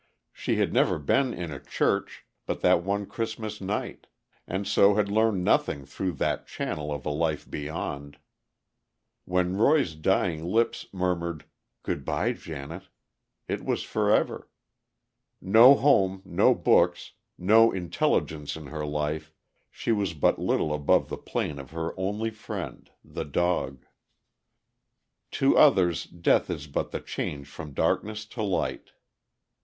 She had never been in a church but that one Christmas night, and so had learned nothing through that channel of a life beyond. When Roy's dying lips murmured "Good by, Janet!" it was forever. No home, no books, no intelligence in her life, she was but little above the plane of her only friend, the dog. To others, death is but the change from darkness to light.